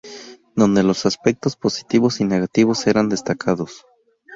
donde los aspectos positivos y negativos eran destacados